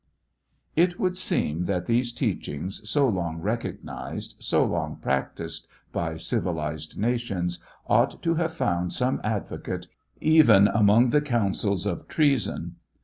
It would seem that these teachings, so long recognized, so long practiced by civilized nations, ought to have found some advocate even among the councils of treason.